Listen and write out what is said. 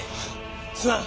すまん。